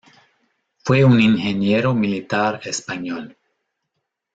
Fue un ingeniero militar español.